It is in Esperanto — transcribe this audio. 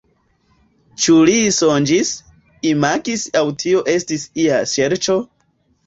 Ĉu li sonĝis, imagis aŭ tio estis ia ŝerco?